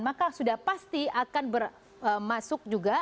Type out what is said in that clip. maka sudah pasti akan bermasuk juga